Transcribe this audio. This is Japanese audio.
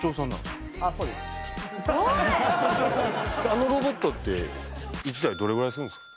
あのロボットって１台どれぐらいするんですか？